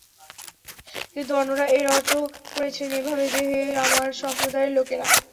কিন্তু অন্যরা এর অর্থ করেছেন এভাবে যে, হে আমার সম্প্রদায়ের লোকেরা!